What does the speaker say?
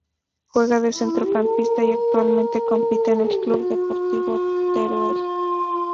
Juega de centrocampista y actualmente compite en el Club Deportivo Teruel.